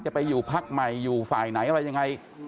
ไปอยู่พักใหม่อยู่ฝ่ายไหนอะไรยังไง